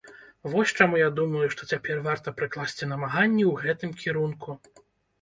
Вось чаму я думаю, што цяпер варта прыкласці намаганні ў гэтым кірунку.